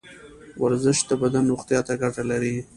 ورزش د بدن روغتیا ته ګټه لري.